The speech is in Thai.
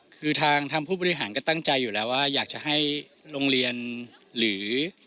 คือทางผู้บริหารก็ตั้งใจอยู่แล้วว่าอยากจะให้โรงเรียนหรือ